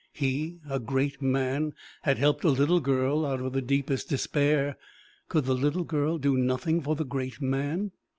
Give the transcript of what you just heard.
He, a great man, had helped a little girl out of the deepest despair; could the little girl do nothing for the great man?